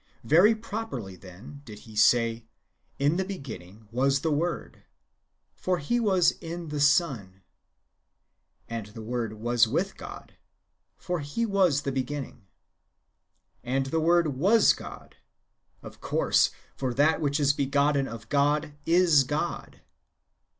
Very properly, then, did he say, " In the beginning was the Word," for He was in the Son ;" and the Word was with God," for He was the beginning ;" and the Word was God," of course, for that which is begotten of God is God.